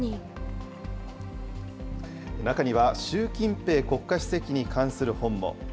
中には習近平国家主席に関する本も。